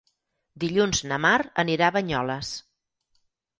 Dilluns na Mar anirà a Banyoles.